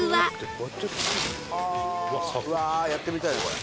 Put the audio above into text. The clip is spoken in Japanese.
うわあやってみたいなこれ。